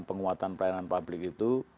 penguatan pelayanan publik itu